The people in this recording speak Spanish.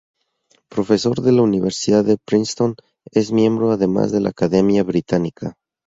Profesor de la Universidad de Princeton, es miembro además de la Academia Británica.